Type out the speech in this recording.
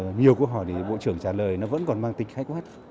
thế nên là nhiều câu hỏi thì bộ trưởng trả lời nó vẫn còn mang tính khách hoát